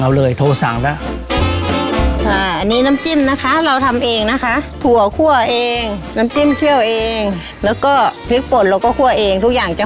โอ้โฮในกรีติว่าพี่อาคมมาเองแต่พวกพเจ้าจรที่ของเขานะ